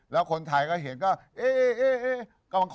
แล้วคนไทยก็เห็นก็เอ๊ะ